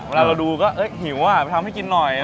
เวลาเราดูก็หิวไปทำให้กินหน่อย